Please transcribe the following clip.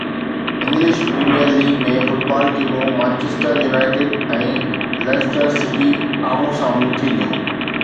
English premier league ۾ football ٽيمون Manchester United ۽ Leicester City آمهون سامهون ٿينديون